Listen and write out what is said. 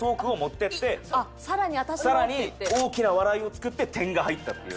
更に大きな笑いを作って点が入ったっていう。